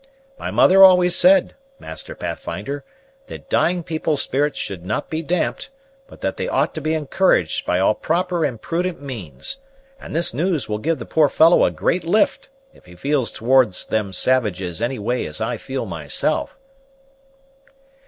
My mother always said, Master Pathfinder, that dying people's spirits should not be damped, but that they ought to be encouraged by all proper and prudent means; and this news will give the poor fellow a great lift, if he feels towards them savages any way as I feel myself."